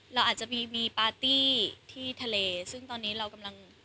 เราอาจจะมีมีปาร์ตี้ที่ทะเลซึ่งตอนนี้เรากำลัง